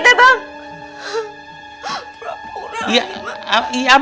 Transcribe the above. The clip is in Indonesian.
mak mak harus sumpah kayak gimana lagi